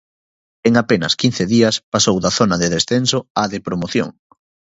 En apenas quince días pasou da zona de descenso á de promoción.